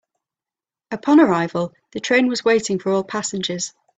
Upon arrival, the train was waiting for all passengers.